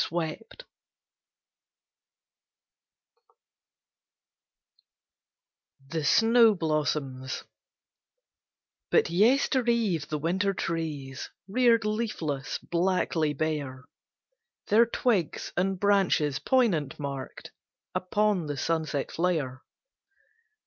THE SNOW BLOSSOMS But yestereve the winter trees Reared leafless, blackly bare, Their twigs and branches poignant marked Upon the sunset flare.